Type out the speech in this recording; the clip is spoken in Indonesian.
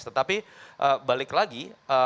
tetapi balik lagi